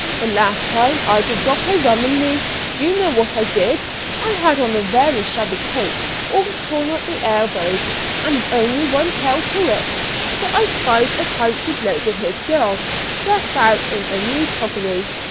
The last time I'd a drop o' rum in me, do you know what I did? I had on a very shabby coat, all torn at the elbows, and only one tail to it, so I spied a country bloke with his girl, dressed out in new toggery.